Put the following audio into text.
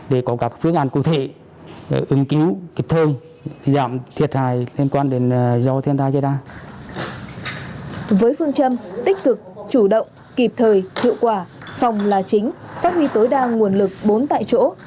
với phương châm tích cực chủ động kịp thời hiệu quả phòng là chính phát huy tối đa nguồn lực bốn tại chỗ